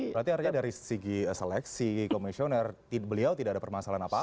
berarti artinya dari segi seleksi komisioner beliau tidak ada permasalahan apa apa